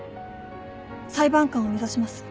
裁判官を目指します。